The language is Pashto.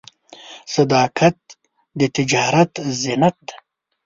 صداقت د تجارت زینت دی.